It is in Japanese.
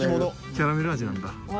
キャラメル味なんだ。